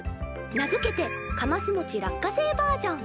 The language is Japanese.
名付けて「かますもち落花生バージョン」。